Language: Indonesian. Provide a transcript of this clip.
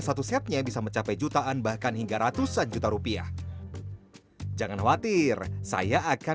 satu setnya bisa mencapai jutaan bahkan hingga ratusan juta rupiah jangan khawatir saya akan